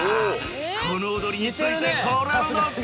この踊りについてこれるのか！？